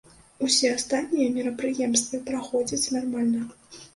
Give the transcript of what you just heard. Усе астатнія мерапрыемствы праходзяць нармальна.